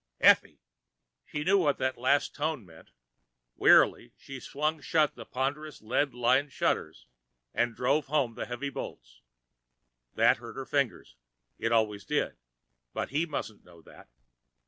"Effie!" She knew what that last tone meant. Wearily she swung shut the ponderous lead inner shutters and drove home the heavy bolts. That hurt her fingers; it always did, but he mustn't know that.